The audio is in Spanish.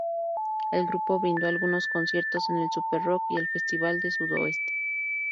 El grupo brindó algunos conciertos: en el Super-Rock y el Festival de Sudoeste.